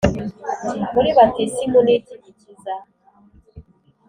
muri batisimu ni iki gikiza/